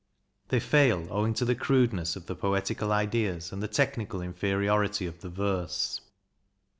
They fail owing to the crude ness of the poetical ideas and the technical inferiority of the verse.